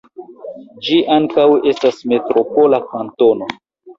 Ĝi ankaŭ estas metropola kantono.